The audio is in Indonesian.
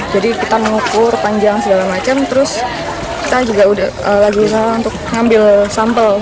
jadi kita mengukur panjang segala macam terus kita juga lagi selalu untuk mengambil sampel